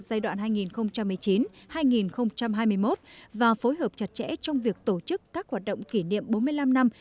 giai đoạn hai nghìn một mươi chín hai nghìn hai mươi một và phối hợp chặt chẽ trong việc tổ chức các hoạt động kỷ niệm bốn mươi năm năm